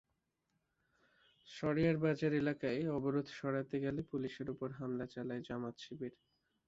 সরেয়ার বাজার এলাকায় অবরোধ সরাতে গেলে পুলিশের ওপর হামলা চালায় জামায়াত-শিবির।